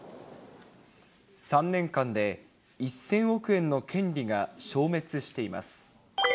３年間で１０００億円の権利が消滅しています。